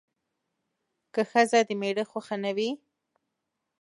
که ښځه د میړه خوښه نه وي